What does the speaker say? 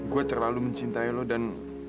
gue terlalu mencintai lo dan